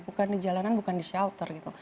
bukan di jalanan bukan di shelter gitu